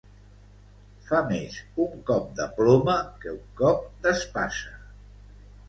Fa més un cop de ploma que un cop d'espasa.